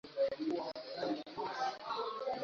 muziki mimi ninaitwa dominata rochongurwa